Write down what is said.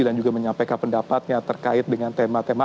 dengan pk pendapat yang terkait dengan tema tema